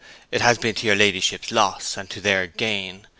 It has been to your ladyship's loss, and to their gain.